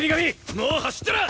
もう走ってら！